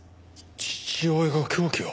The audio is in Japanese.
父親が凶器を。